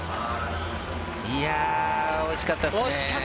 惜しかったですね。